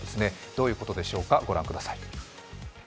どういうことでしょうか、ご覧ください。